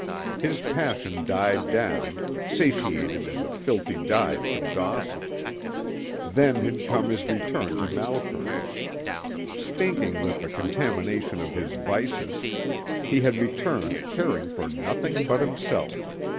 His passion died down, satiated in the filthy dives of Dawson. Then had come his return to Malkern. Stinking with the contamination of his vices, he had returned caring for nothing but himself.